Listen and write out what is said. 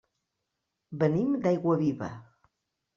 Venim d'Aiguaviva.